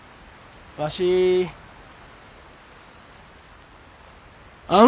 わしあん